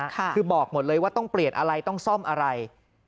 คือบอกหมดเลยว่าต้องเปลี่ยนอะไรต้องซ่อมอะไร